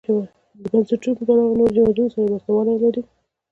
د بنسټونو له پلوه نورو هېوادونو سره ورته والی لري.